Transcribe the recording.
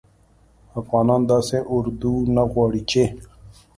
افغانان داسي اردو نه غواړي چې